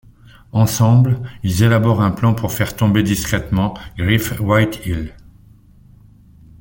Ensemble, ils élaborent un plan pour faire tomber discrètement Gryff Whitehill.